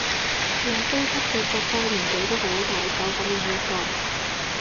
有風骨嘅作家年紀都好大，走噉又一個